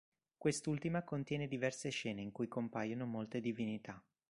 Quest'ultima contiene diverse scene in cui compaiono molte divinità.